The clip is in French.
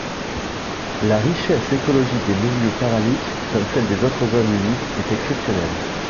La richesse écologique des milieux paraliques, comme celle des autres zones humides est exceptionnelle.